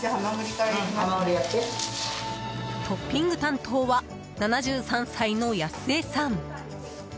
トッピング担当は７３歳のやす江さん。